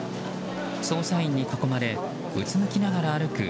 捜査員に囲まれうつむきながら歩く